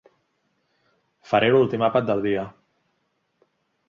Faré l'últim àpat del dia.